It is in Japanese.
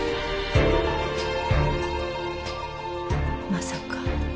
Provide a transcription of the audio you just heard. まさか。